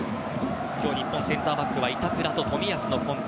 今日、日本はセンターバック板倉と冨安のコンビ。